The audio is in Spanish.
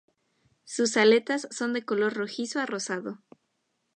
Sus aletas son de color rojizo a rosado.